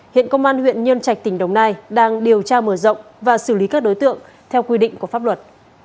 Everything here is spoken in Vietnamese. hiện công an huyện nhân trạch tỉnh đồng nai đang điều tra mở rộng và xử lý các đối tượng theo quy định của pháp luật